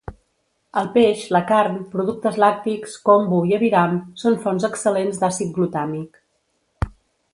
El peix, la carn, productes làctics, kombu i aviram són fonts excel·lents d'àcid glutàmic.